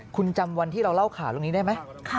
คุณจำวันที่เราเล่าข่าวตรงนี้ได้ไหม